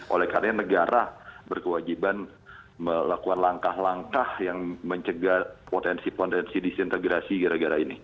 oleh karena negara berkewajiban melakukan langkah langkah yang mencegah potensi potensi disintegrasi gara gara ini